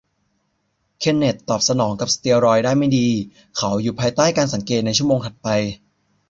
เคนเนธตอบสนองกับสเตียรอยด์ได้ไม่ดี เขาอยู่ภายใต้การสังเกตในชั่วโมงถัดไป